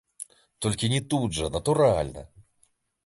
Толькі не тут жа, натуральна.